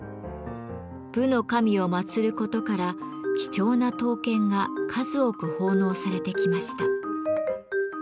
武の神を祭ることから貴重な刀剣が数多く奉納されてきました。